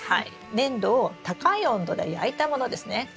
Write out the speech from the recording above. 粘土を高い温度で焼いたものですね。